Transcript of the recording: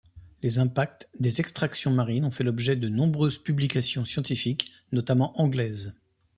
Les impacts des extractions marines ont fait l'objet de nombreuses publications scientifiques, notamment anglaises.